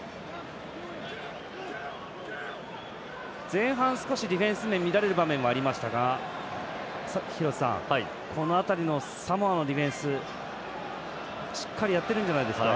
前半、少しディフェンス面乱れる場面がありましたがこの辺りのサモアのディフェンスしっかりやってるんじゃないですか。